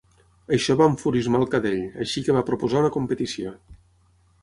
Això va enfurismar el cadell, així que va proposar una competició.